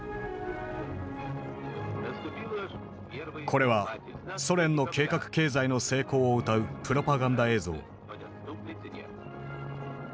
これはソ連の計画経済の成功をうたうプロパガンダ映像。